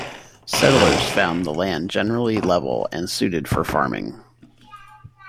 Settlers found the land generally level and suited for farming.